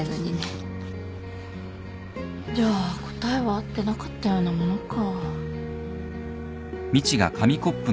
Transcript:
じゃあ答えはあってなかったようなものか。